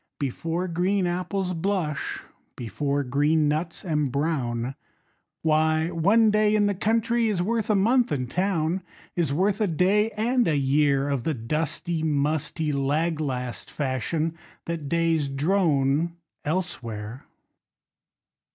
Before green apples blush, Before green nuts embrown, Why, one day in the country Is worth a month in town; Is worth a day and a year Of the dusty, musty, lag last fashion That days drone elsewhere.